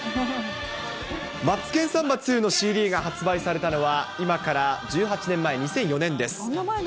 マツケンサンバＩＩのＣＤが発売されたのは、今から１８年前、２００４年です。